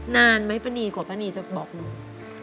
นานไหมป้านีกว่าป้านีจะบอกหนู